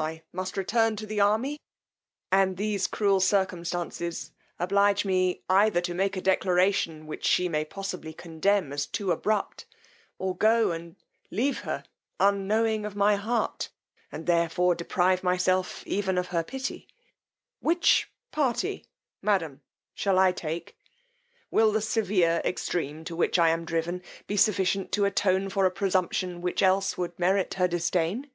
I must return to the army, and these cruel circumstances oblige me either to make a declaration which she may possibly condemn as too abrupt, or go and leave her unknowing of my heart, and thereby deprive myself even of her pity: Which party, madam, shall I take? Will the severe extreme, to which I am driven, be sufficient to attone for a presumption which else would merit her disdain?